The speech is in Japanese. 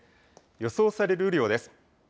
予想される雨量です。